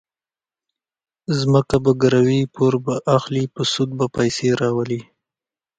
ځمکه به ګروي، پور به اخلي، په سود به پیسې راولي.